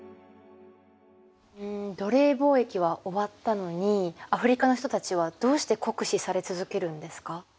うん奴隷貿易は終わったのにアフリカの人たちはどうして酷使され続けるんですか？